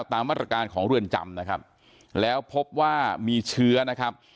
ตามมาตรการของเรือนจำนะครับแล้วพบว่ามีเชื้อนะครับ